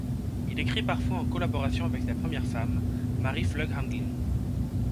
Il écrit parfois en collaboration avec sa première femme, Mary Flug Handlin.